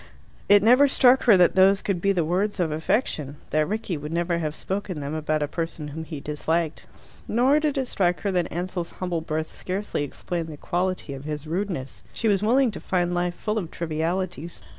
It never struck her that those could be the words of affection that Rickie would never have spoken them about a person whom he disliked. Nor did it strike her that Ansell's humble birth scarcely explained the quality of his rudeness. She was willing to find life full of trivialities.